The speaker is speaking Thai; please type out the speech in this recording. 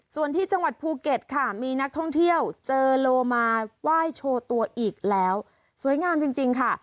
ส่วนที่จังหวัดภูเก็ตค่ะมีนักท่องเที่ยวเจอโลมาไหว้โชว์ตัวอีกแล้วสวยงามจริงค่ะ